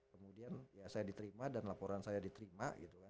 kemudian ya saya diterima dan laporan saya diterima gitu kan